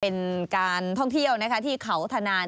เป็นการท่องเที่ยวที่เกาะฑแลนด์